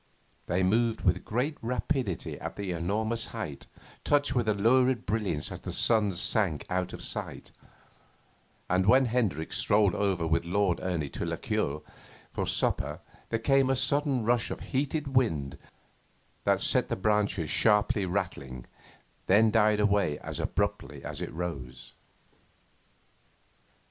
They moved with great rapidity at an enormous height, touched with a lurid brilliance as the sun sank out of sight; and when Hendricks strolled over with Lord Ernie to la cure for supper there came a sudden rush of heated wind that set the branches sharply rattling, then died away as abruptly as it rose.